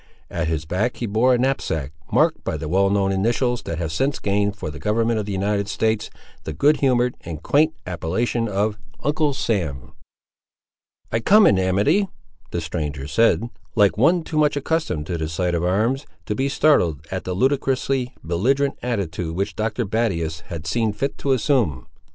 At his back he bore a knapsack, marked by the well known initials that have since gained for the government of the United States the good humoured and quaint appellation of Uncle Sam. "I come in amity," the stranger said, like one too much accustomed to the sight of arms to be startled at the ludicrously belligerent attitude which Dr. Battius had seen fit to assume.